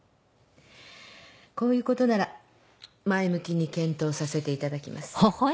こういうことなら前向きに検討させていただきます。